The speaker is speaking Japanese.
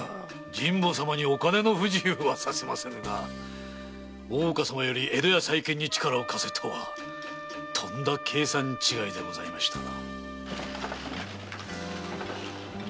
神保様にお金の不自由はさせませぬが大岡様より江戸屋再建に力を貸せとはとんだ計算違いでしたな。